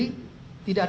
tidak ada yang disangkutan